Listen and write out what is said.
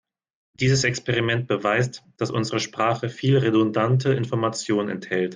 Dieses Experiment beweist, dass unsere Sprache viel redundante Information enthält.